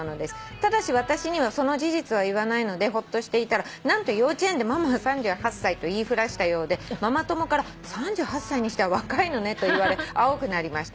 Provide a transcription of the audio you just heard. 「ただし私にはその事実は言わないのでほっとしていたら何と幼稚園で『ママは３８歳』と言いふらしたようでママ友から『３８歳にしては若いのね』と言われ青くなりました。